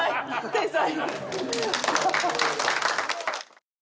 天才。